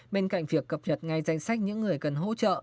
bên cạnh việc cập nhật ngay danh sách những người cần hỗ trợ